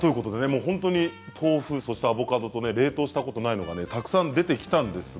もう本当に豆腐そしてアボカドとね冷凍したことないのがねたくさん出てきたんですが